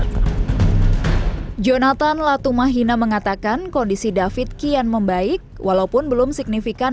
hai jonathan latumahina mengatakan kondisi david kian membaik walaupun belum signifikan